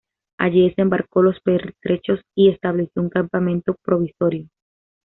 Allí desembarco los pertrechos y estableció un campamento provisorio.